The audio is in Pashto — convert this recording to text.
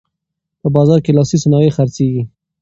په بازار کې لاسي صنایع خرڅیږي.